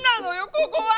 ここは！